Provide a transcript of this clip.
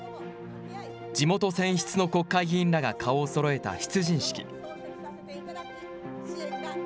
地元選出の国会議員らが顔をそろえた出陣式。